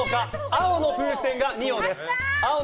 青の風船が二葉です。